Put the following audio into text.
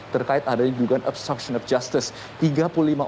terkait adanya dugaan obstruction of justice